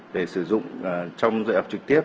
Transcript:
để sử dụng trong dạy học trực tiếp